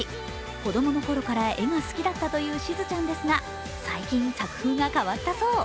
子供のころから絵が好きだったしずちゃんですが最近、作風が変わったそう。